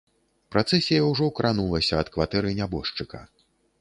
Працэсія ўжо кранулася ад кватэры нябожчыка.